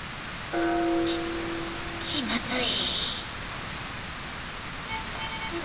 きっ気まずい！